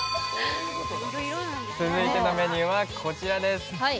続いてのメニューはこちらです。